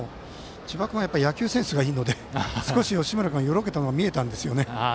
千葉君は野球センスがいいので吉村君が、少しよろけたのが見えたんですよね。